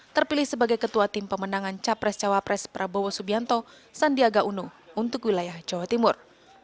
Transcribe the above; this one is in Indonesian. terpilih sebagai ketua tim pemenangan capres cawapres prabowo subianto sandiaga uno untuk wilayah jawa timur